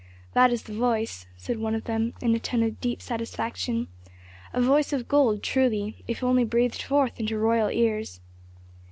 "That is the voice," said one of them in a tone of deep satisfaction. "A voice of gold truly, if only breathed forth into royal ears."